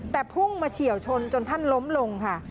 แต่พุ่งมาเฉียวชนจนท่านล้มลงค่ะ